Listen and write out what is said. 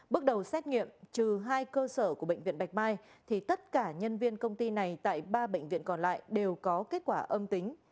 bước đầu xét nghiệm trừ hai cơ sở của bệnh viện bạch mai thì tất cả nhân viên công ty này tại ba bệnh viện còn lại đều có kết quả âm tính